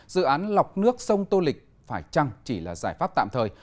dự án lọc nước sông tô lịch phải chăng chỉ là giải pháp tạm thời